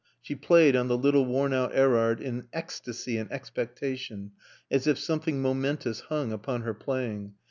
She played (on the little worn out Erard) in ecstasy and expectation, as if something momentous hung upon her playing.